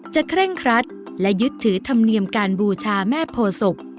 เคร่งครัดและยึดถือธรรมเนียมการบูชาแม่โพศพ